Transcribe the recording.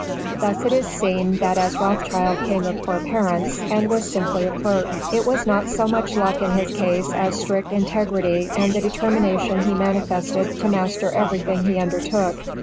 Thus it is seen that as Rothschild came of poor parents, and was simply a clerk. It was not so much luck in his case as strict integrity and the determination he manifested to master everything he undertook.